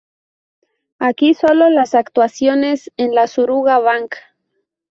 Aquí solo las actuaciones en la Suruga Bank.